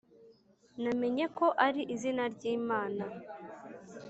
namenye ko ari izina ry Imana